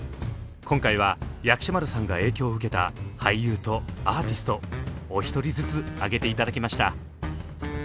今回は薬師丸さんが影響を受けた俳優とアーティストお一人ずつ挙げて頂きました。